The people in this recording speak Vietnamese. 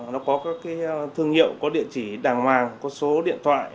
nó có các thương hiệu có địa chỉ đàng hoàng có số điện thoại